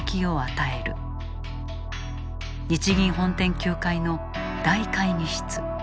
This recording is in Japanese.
日銀本店９階の大会議室。